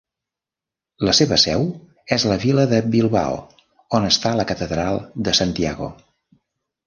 La seva seu és la vila de Bilbao, on està la Catedral de Santiago.